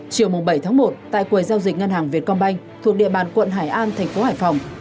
chiều bảy một tại quầy giao dịch ngân hàng vietcombank thuộc địa bàn quận hải an thành phố hải phòng